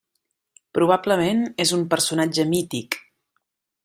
Probablement és un personatge mític.